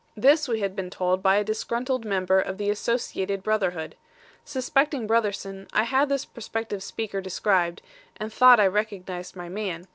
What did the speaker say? This we had been told by a disgruntled member of the Associated Brotherhood. Suspecting Brotherson, I had this prospective speaker described, and thought I recognised my man.